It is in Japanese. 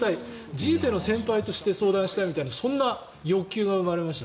人生の先輩として相談したいみたいな欲求が生まれました。